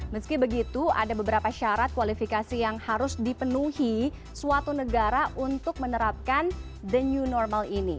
meski begitu ada beberapa syarat kualifikasi yang harus dipenuhi suatu negara untuk menerapkan the new normal ini